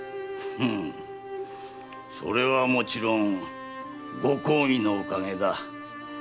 それはもちろん御公儀のおかげだ。